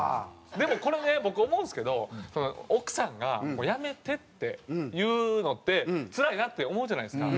でもこれね僕思うんですけど奥さんが「もう辞めて」って言うのってつらいなって思うじゃないですか。